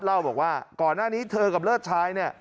เล่าบอกว่าก่อนหน้านี้เธอกับเลิศชายเนี่ย